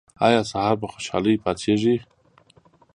ایا سهار په خوشحالۍ پاڅیږئ؟